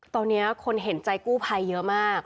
ตอนนี้คนเห็นใจกู้ภัยเยอะมาก